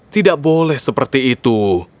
tidak boleh seperti itu